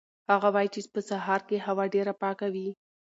هغه وایي چې په سهار کې هوا ډېره پاکه وي.